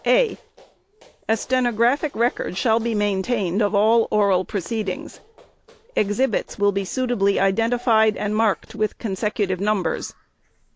_ (a) A stenographic record shall be maintained of all oral proceedings. Exhibits will be suitably identified and marked with consecutive numbers.